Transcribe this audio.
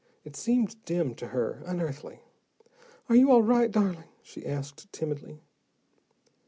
It seemed dim to her, unearthly. "Are you all right, darling?" she asked timidly.